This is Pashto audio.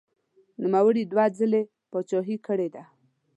نوموړي دوه ځلې پاچاهي کړې ده.